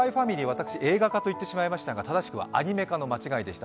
私、映画化と言ってしまいましたが正しくはアニメ化でした。